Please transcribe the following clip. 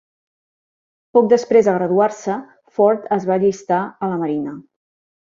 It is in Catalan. Poc després de graduar-se, Ford es va allistar a la marina.